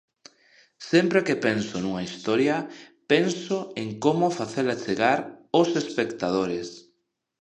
Sempre que penso nunha historia, penso en como facela chegar aos espectadores.